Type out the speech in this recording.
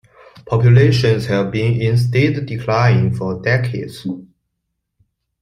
Populations have been in steady decline for decades.